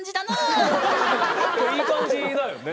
いい感じだよね。